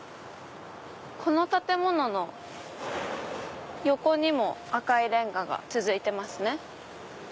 この建物の横にも赤いレンガが続いてますね。